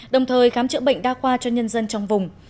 đồng thời khám chữa bệnh đa khoa cho nhân dân trong vùng